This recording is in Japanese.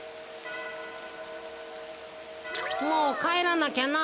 もうかえらなきゃなあ。